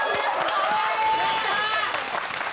やったー！